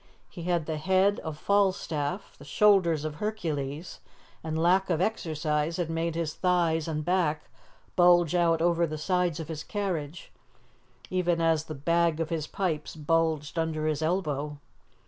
He had the head of Falstaff, the shoulders of Hercules, and lack of exercise had made his thighs and back bulge out over the sides of his carriage, even as the bag of his pipes bulged under his elbow.